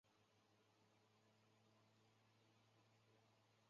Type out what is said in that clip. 全部内容都在里面了